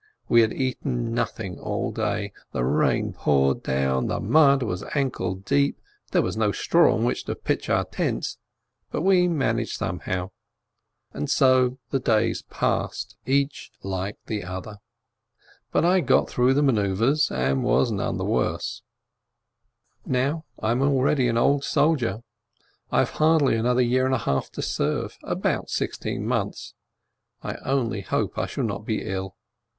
We had eaten nothing all day. The rain poured down, the mud was ankle deep, there was no straw on which to pitch our tents, but we managed somehow. And so the days passed, each like the other. But I got through the manoeuvres, and was none the worse. 290 BERDYCZEWSKI Now I am already an old soldier; I have hardly an other year and a half to serve — about sixteen months. I only hope I shall not be ill.